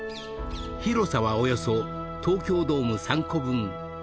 ［広さはおよそ東京ドーム３個分］